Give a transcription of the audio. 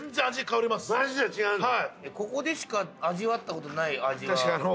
ここでしか味わったことない味が。